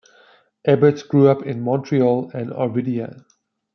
Eberts grew up in Montreal and Arvida.